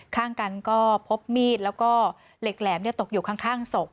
ข้างกันก็พบมีดแล้วก็เหล็กแหลมตกอยู่ข้างศพ